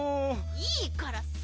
いいからさ！